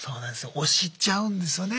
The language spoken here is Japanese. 推しちゃうんですよね。